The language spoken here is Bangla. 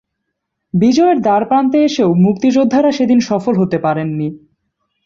বিজয়ের দ্বারপ্রান্তে এসেও মুক্তিযোদ্ধারা সেদিন সফল হতে পারেননি।